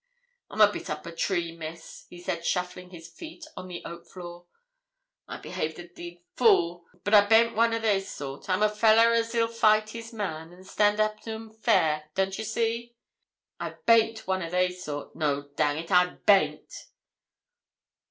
'I'm a bit up a tree, Miss,' he said shuffling his feet on the oak floor. 'I behaved a d fool; but I baint one o' they sort. I'm a fellah as 'ill fight his man, an' stan' up to 'm fair, don't ye see? An' baint one o' they sort no, dang it, I baint.'